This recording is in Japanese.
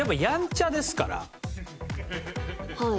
はい。